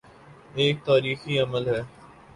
ایک تاریخی عمل ہے۔